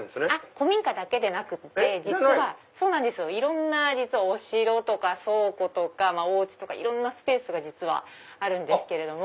古民家だけでなくていろんな実はお城とか倉庫とかお家とかいろんなスペースがあるんですけれども。